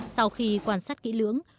sau khi quan sát kỹ lưỡng